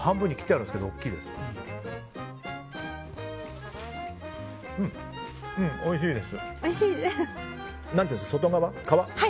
うん、おいしいです。